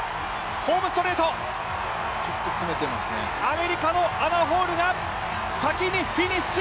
ホームストレート、アメリカのアナ・ホールが先にフィニッシュ。